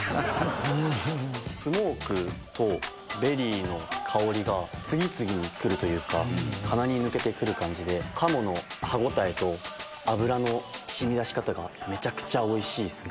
スモークとベリーの香りが次々に来るというか鼻に抜けて来る感じで鴨の歯応えと脂の染み出し方がめちゃくちゃおいしいですね。